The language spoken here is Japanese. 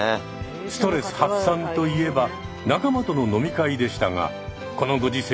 ストレス発散といえば仲間との飲み会でしたがこのご時世